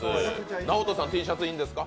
ＮＡＯＴＯさん、Ｔシャツいいんですか？